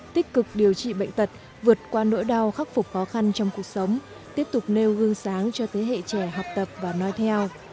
tích cực điều trị bệnh tật vượt qua nỗi đau khắc phục khó khăn trong cuộc sống tiếp tục nêu gương sáng cho thế hệ trẻ học tập và nói theo